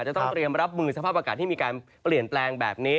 จะต้องเตรียมรับมือสภาพอากาศที่มีการเปลี่ยนแปลงแบบนี้